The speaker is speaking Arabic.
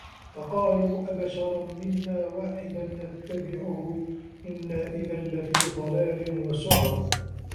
فَقالوا أَبَشَرًا مِنّا واحِدًا نَتَّبِعُهُ إِنّا إِذًا لَفي ضَلالٍ وَسُعُرٍ